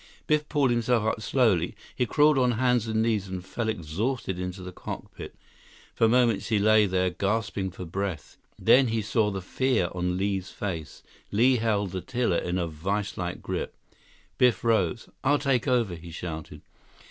Biff pulled himself up slowly. He crawled on hands and knees and fell exhausted into the cockpit. For moments he lay there, gasping for breath. Then he saw the fear on Li's face. Li held the tiller in a viselike grip. Biff rose. "I'll take over," he shouted.